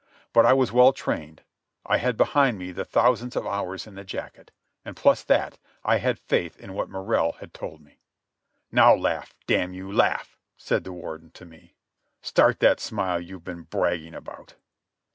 But I was well trained. I had behind me the thousands of hours in the jacket, and, plus that, I had faith in what Morrell had told me. "Now, laugh, damn you, laugh," said the Warden to me. "Start that smile you've been bragging about."